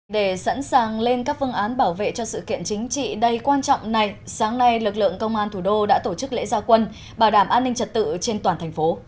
để sẵn sàng lên các phương án bảo vệ cho sự kiện chính trị đầy quan trọng này sáng nay lực lượng công an thủ đô đã tổ chức lễ gia quân bảo đảm an ninh trật tự trên toàn thành phố